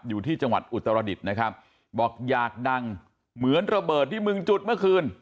อยู่ที่จังหวัดอุตรดิษฐ์นะครับบอกอยากดังเหมือนระเบิดที่มึงจุดเมื่อคืน